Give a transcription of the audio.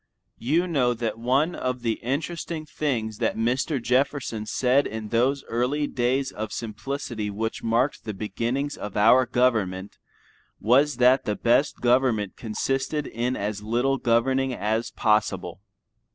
You know that one of the interesting things that Mr. Jefferson said in those early days of simplicity which marked the beginnings of our government was that the best government consisted in as little governing as possible.